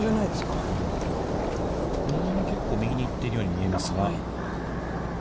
結構右に行っているように見えますが。